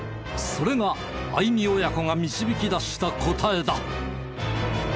それが相見親子が導き出した答えだ。